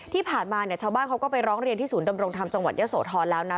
ที่ผ่านมาเนี่ยชาวบ้านเขาก็ไปร้องเรียนที่ศูนย์ดำรงธรรมจังหวัดเยอะโสธรแล้วนะ